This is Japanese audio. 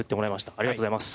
ありがとうございます。